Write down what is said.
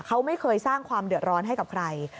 เขาไม่เคยสร้างความเดือดร้อนให้กับใคร